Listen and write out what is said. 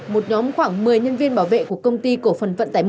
một nhóm khoảng một mươi nhân viên bảo vệ của công ty cổ phần vận tải một